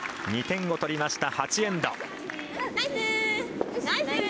２点を取りました